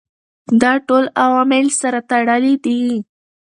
دا ټول عوامل سره تړلي دي.